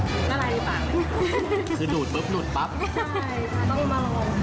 อะไรปะ